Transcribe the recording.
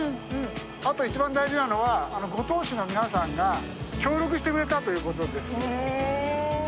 あと一番大事なのは五島市の皆さんが協力してくれたということです。